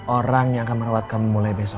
orang yang akan merawat kamu mulai besok